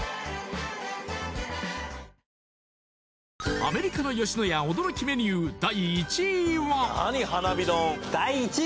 アメリカの野家驚きメニュー第１位は？